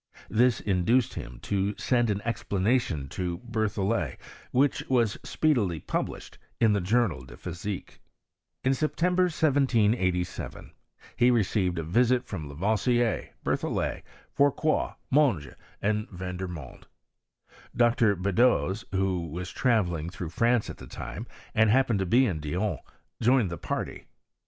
This induced him to send aa explanation to BerthoUet, which was speedily pub lished in the Journal de Physique. In September, 1787, he receiyed a visit from La^ TCBsier, BerthoUet, Fourcroy, Monge, and Vander monde. Dr. Beddoes, who was travelling through France at the time, and happened to be in Dijon^ joined the party.